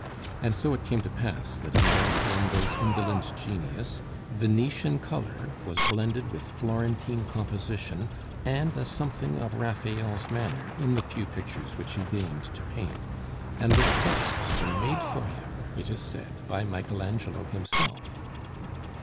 And so it came to pass that in Del Piombo's indolent genius Venetian color was blended with Florentine composition and a something of Raphael's manner in the few pictures which he deigned to paint, and the sketches were made for him, it is said, by Michael Angelo himself.